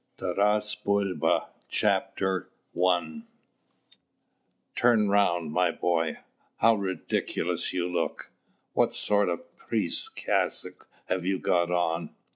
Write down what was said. TARAS BULBA CHAPTER I "Turn round, my boy! How ridiculous you look! What sort of a priest's cassock have you got on?